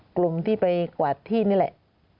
กลุ่มที่ไปกวาดที่นี่แหละ